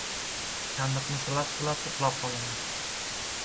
Chandiqni silab-silab, uxlab qolaman.